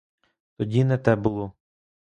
Тоді не те було.